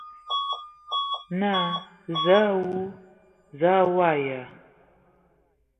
Naa: Zǝə a wu! Zǝə a waag ya ?